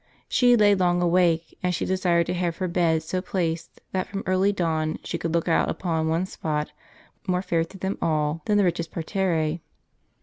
She lay long awake, and she desired to have her bed so placed that from early dawn she could look out upon one spot more fair to them all than the richest parterre.